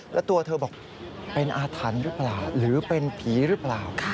แล้วตัวเธอบอกเป็นอาถรรพ์หรือเปล่าหรือเป็นผีหรือเปล่า